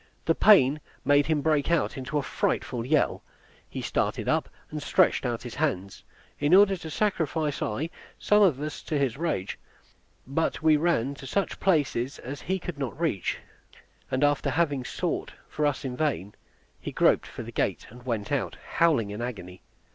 The pain made him break out into a frightful yell: he started up, and stretched out his hands, in order to sacrifice I some of us to his rage; but we ran to such places as he could not reach; and after having sought for us in vain, he groped for the gate, and went out, howling in agony.